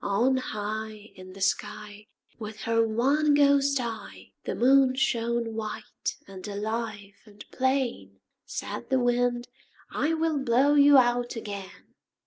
On high In the sky With her one ghost eye, The Moon shone white and alive and plain. Said the Wind "I will blow you out again."